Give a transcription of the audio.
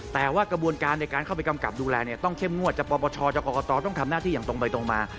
แต่ว่ากระบวนการในการเข้าไปกำกับดูแลเนี่ยต้องเข้มงวดจะปปชจะกรกตต้องทำหน้าที่อย่างตรงไปตรงมา